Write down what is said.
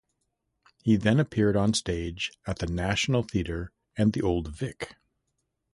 He then appeared on stage at the National Theatre and the Old Vic.